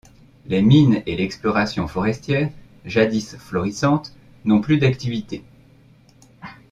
Les mines et l'exploitation forestière, jadis florissantes, n'ont plus d'activité.